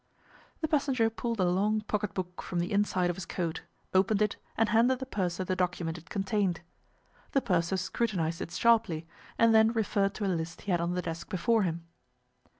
The passenger pulled a long pocket book from the inside of his coat, opened it, and handed the purser the document it contained. The purser scrutinized it sharply, and then referred to a list he had on the desk before him.